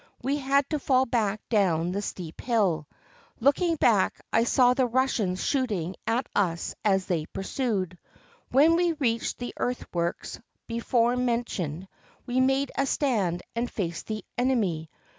We had to fall back down the steep hill. Looking back, I saw the Russians shooting at us as they pursued. When we reached the earthworks before mentioned, we made a stand and faced the enemy.